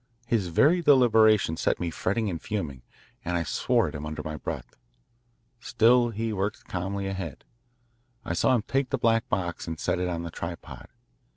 His very deliberation set me fretting and fuming, and I swore at him under my breath. Still, he worked calmly ahead. I saw him take the black box and set it on the tripod.